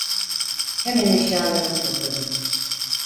Hemen eşyalarımı topladım.